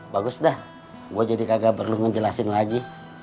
bagus dah gue jadi kagak perlu ngejelasin lagi